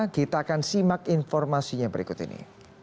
kita akan simak informasinya berikut ini